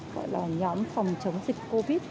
gọi là nhóm phòng chống dịch covid